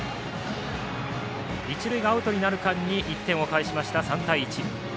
一塁がアウトになる間に１点を返しました、３対１。